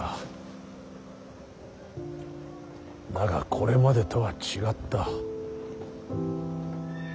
だがこれまでとは違った。